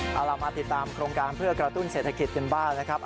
เอาเรามาติดตามโครงการเพื่อกระตุ้นเศรษฐกิจกันบ้างนะครับ